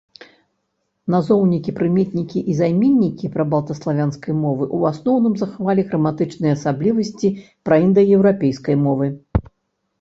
Назоўнікі, прыметнікі і займеннікі прабалта-славянскай мовы ў асноўным захавалі граматычныя асаблівасці праіндаеўрапейскай мовы.